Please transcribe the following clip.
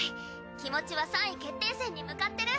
気持ちは３位決定戦に向かってる。